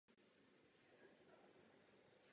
Některé druhy jsou popínavé.